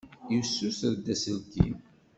Yessuter-d aselkim.